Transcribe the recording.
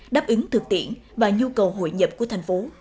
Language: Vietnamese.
đáp ứng thực tiễn và nhu cầu hội nhập của tp hcm